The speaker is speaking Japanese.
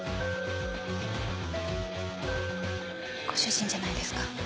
・ご主人じゃないですか？